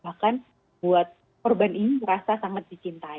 bahkan buat korban ini merasa sangat dicintai